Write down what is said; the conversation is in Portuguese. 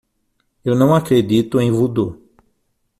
Eu não acredito em vodu.